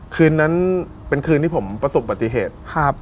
คืนนั้นเป็นคืนที่ผมประสบปฏิเหตุ